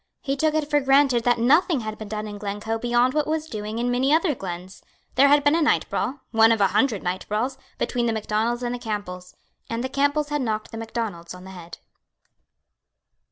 He took it for granted that nothing had been done in Glencoe beyond what was doing in many other glens. There had been a night brawl, one of a hundred night brawls, between the Macdonalds and the Campbells; and the Campbells had knocked the Macdonalds on the head.